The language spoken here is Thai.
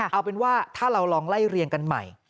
เอาเป็นว่าถ้าเราลองไล่เรียงกันใหม่